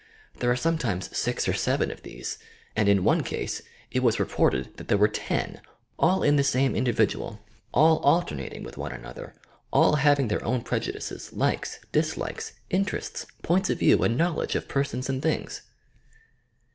There are sometimes six or seven of these, and in one case it is reported that there were ten, — all in the same individual, all alter nating with one another, all having their own preju dices, likes, dislikes, interests, points of view and knowl edge of persons and things